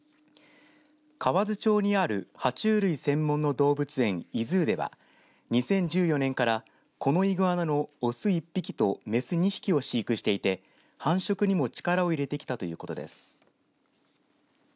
河津町にあるは虫類専門の動物園イズーでは２０１４年からこのイグアナの雄１匹と雌２匹を飼育していて繁殖にも力を入れてきたということです。